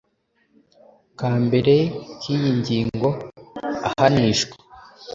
ka mbere k iyi ngingo ahanishwa